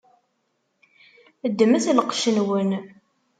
Ddmet lqec-nwen.